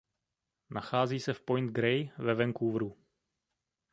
Nachází se v Point Grey ve Vancouveru.